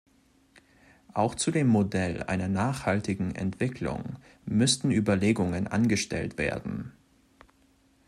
Auch zu dem Modell einer nachhaltigen Entwicklung müssten Überlegungen angestellt werden.